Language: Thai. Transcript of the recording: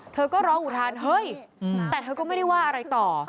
เธอก็ร้องอุทานเฮ้ยแต่เธอก็ไม่ได้ว่าอะไรต่อ